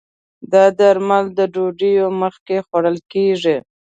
دا درمل د ډوډی مخکې خوړل کېږي